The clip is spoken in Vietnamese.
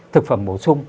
thực phẩm bổ sung